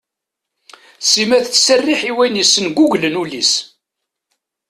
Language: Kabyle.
Sima tettserriḥ i wayen yessenguglen ul-is.